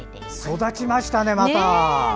育ちましたね、また！